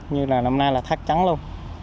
như là năm nay là thất trắng luôn